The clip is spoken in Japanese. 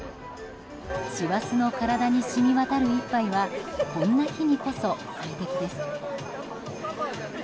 師走の体に染み渡る１杯はこんな日にこそ最適です。